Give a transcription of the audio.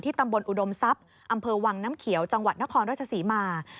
ตำบลอุดมทรัพย์อำเภอวังน้ำเขียวจังหวัดนครราชศรีมา